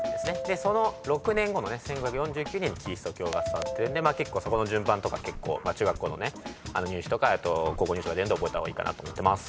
その６年後のね１５４９年にキリスト教が伝わってるんでまあ結構そこの順番とか中学校の入試とかあと高校入試とか出るんで覚えた方がいいかなと思ってます。